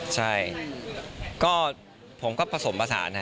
ใช่ก็ผมก็ผสมผสาน